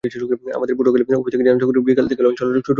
আমাদের পটুয়াখালী অফিস থেকে জানা গেছে, বিকেল থেকে লঞ্চ চলাচল শুরু হবে।